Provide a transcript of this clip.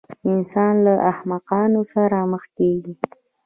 انسان له احمقانو سره مخ کېږي.